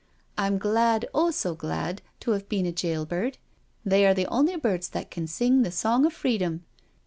I'm glad, oh, so glad, to 'ave been a jail bird, they are the only birds that can sing the song of freedom.